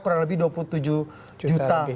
kurang lebih dua puluh tujuh juta